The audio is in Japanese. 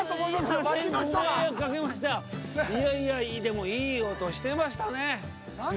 いやいや、でも、いい音してましたね。